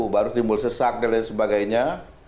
baru timbul sesak dan lain sebagainya